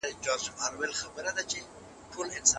که شعور وي، نو ټولنه به ثبات ولري.